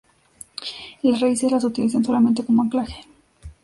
Las raíces las utilizan solamente como anclaje.